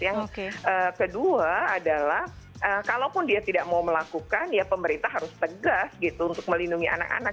yang kedua adalah kalaupun dia tidak mau melakukan ya pemerintah harus tegas gitu untuk melindungi anak anak